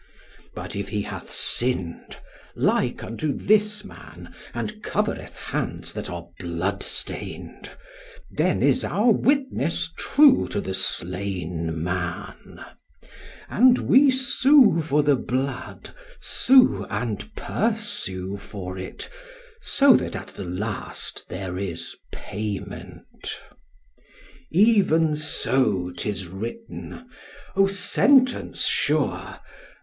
"But if he hath sinned, like unto this man, and covereth hands that are blood stained: then is our witness true to the slain man. "And we sue for the blood, sue and pursue for it, so that at the last there is payment. Even so 'tis written: (Oh sentence sure!)